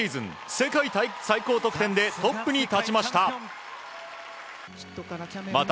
世界最高得点でトップに立ちました。